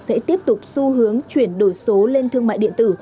sẽ tiếp tục xu hướng chuyển đổi số lên thương mại điện tử